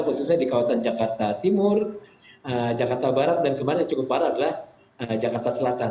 khususnya di kawasan jakarta timur jakarta barat dan kemarin yang cukup parah adalah jakarta selatan